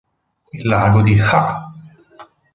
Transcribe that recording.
Il lago di Ha!